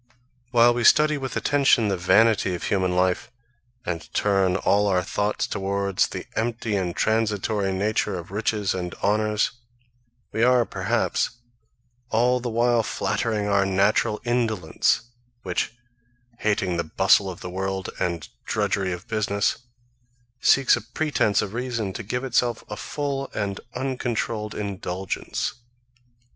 While we study with attention the vanity of human life, and turn all our thoughts towards the empty and transitory nature of riches and honours, we are, perhaps, all the while flattering our natural indolence, which, hating the bustle of the world, and drudgery of business, seeks a pretence of reason to give itself a full and uncontrolled indulgence.